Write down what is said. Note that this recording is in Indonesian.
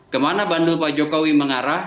kemana bandul pak jokowi mengarah